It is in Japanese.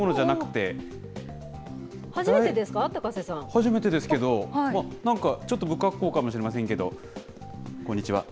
初めてですけど、なんかちょっと不格好かもしれませんけど、こんにちは。